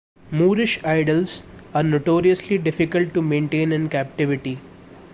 Moorish idols are notoriously difficult to maintain in captivity.